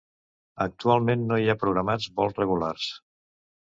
Actualment no hi ha programats vols regulars.